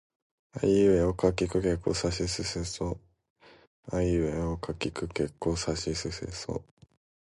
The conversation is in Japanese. あいうえおかきくけこさしすせそあいうえおかきくけこさしすせそ